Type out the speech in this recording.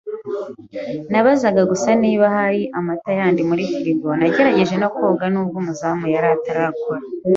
Nabazaga gusa niba ahari amata yandi muri firigo. Nageragejwe no koga nubwo umuzamu yari atarakora.